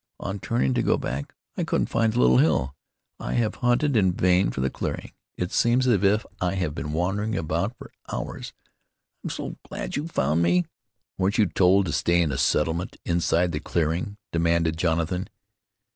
On turning to go back I couldn't find the little hill. I have hunted in vain for the clearing. It seems as if I have been wandering about for hours. I'm so glad you've found me!" "Weren't you told to stay in the settlement, inside the clearing?" demanded Jonathan.